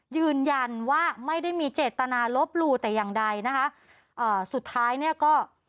ยืนยันว่าไม่ได้มีเจตนาลบหลู่แต่อย่างใดนะคะเอ่อสุดท้ายเนี่ยก็